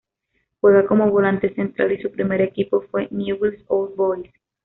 Juega como volante central y su primer equipo fue Newell's Old Boys.